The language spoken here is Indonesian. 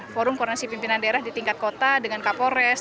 forum koordinasi pimpinan daerah di tingkat kota dengan kapolres